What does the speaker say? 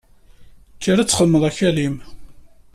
Kker ad txedmeḍ akal-im!